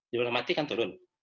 jumlah mati kan turun